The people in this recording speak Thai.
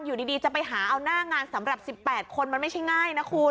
อยู่ดีจะไปหาเอาหน้างานสำหรับ๑๘คนมันไม่ใช่ง่ายนะคุณ